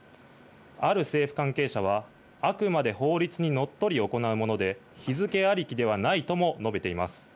ある政府関係者はあくまで法律にのっとり行うもので、日付ありきではないとも述べています。